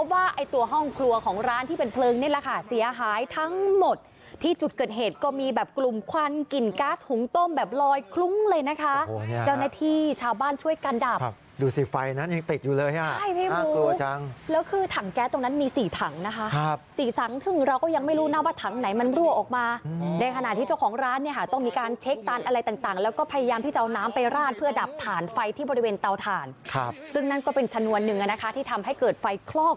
ว่าไอ้ตัวห้องครัวของร้านที่เป็นเพลิงนี่แหละค่ะเสียหายทั้งหมดที่จุดเกิดเหตุก็มีแบบกลุ่มควันกลิ่นก๊าซหุงต้มแบบลอยคลุ้งเลยนะคะโอ้โหเนี้ยครับเจ้าหน้าที่ชาวบ้านช่วยกันดับครับดูสิไฟนั้นยังติดอยู่เลยฮะใช่ไม่รู้น่ากลัวจังแล้วคือถังแก๊สตรงนั้นมีสี่ถังนะคะครับสี่ถังซึ่งเราก